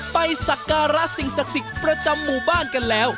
สักการะสิ่งศักดิ์สิทธิ์ประจำหมู่บ้านกันแล้ว